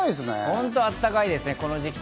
本当にあたたかいですね。